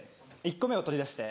１個目を取り出して。